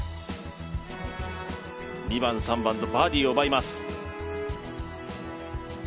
２番３番とバーディーを奪います。